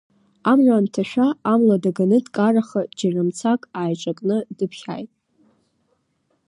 Амра анҭашәа амла даганы дкараха џьара мцак ааиҿакны дыԥхьаит.